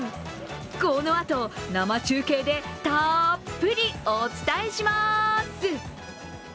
このあと、生中継でたっぷりお伝えします。